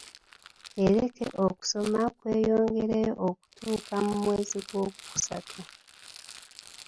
Ereke okusoma kweyongereyo okutuuka mu mwezi gwokusatu.